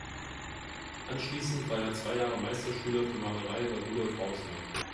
Anschließend war er zwei Jahre Meisterschüler für Malerei bei Rudolf Hausner.